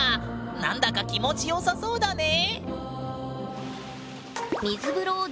何だか気持ちよさそうだね。